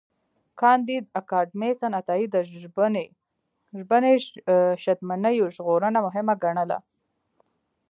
کانديد اکاډميسن عطايی د ژبني شتمنیو ژغورنه مهمه ګڼله.